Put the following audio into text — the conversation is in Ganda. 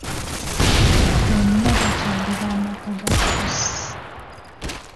Bonna bakyalira amaka ga pussi.